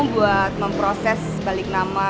buat memproses balik nama